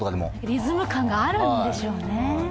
リズム感があるんでしょうね。